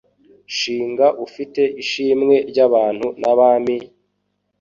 Shinga ufite ishimwe Ry’abantu n’abami,